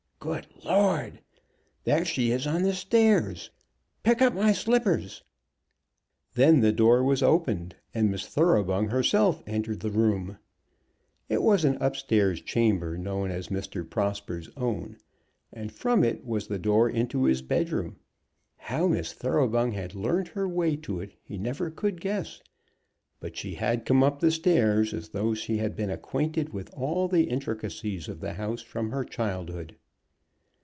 Good Lord! There she is on the stairs! Pick up my slippers." Then the door was opened, and Miss Thoroughbung herself entered the room. It was an up stairs chamber, known as Mr. Prosper's own: and from it was the door into his bedroom. How Miss Thoroughbung had learned her way to it he never could guess. But she had come up the stairs as though she had been acquainted with all the intricacies of the house from her childhood.